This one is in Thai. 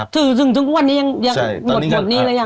ถือถึงวันนี้ยังหมดหนี้แล้วยัง